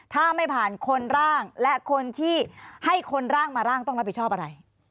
ถ้าไม่ผ่านคนร่างและคนที่ให้คนร่างมาร่างต้องรับผิดชอบอะไร